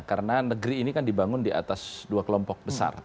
karena negeri ini kan dibangun di atas dua kelompok besar